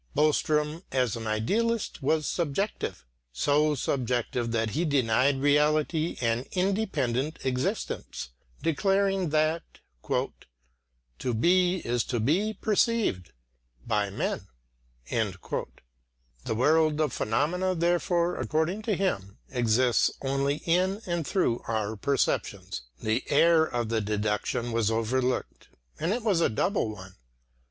Boström as an idealist was subjective so subjective that he denied reality an independent existence, declaring that, "to be is to be perceived (by men)." The world of phenomena therefore, according to him, exists only in and through our perceptions. The error of the deduction was overlooked, and it was a double one.